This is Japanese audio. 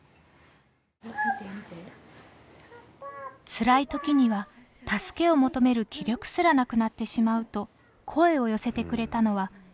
つらい時には助けを求める気力すらなくなってしまうと声を寄せてくれたのはひなぷしゅさんです。